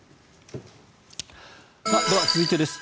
では、続いてです。